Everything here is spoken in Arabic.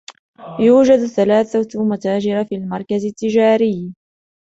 يوجد ثلاثة متاجر في المركز تجاري.